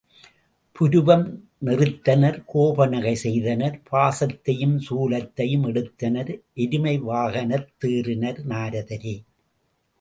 புருவம் நெறித்தனர் கோப நகை செய்தனர் பாசத்தையுஞ் சூலத்தையும் எடுத்தனர் எருமைவாகனத் தேறினர் நாரதரே!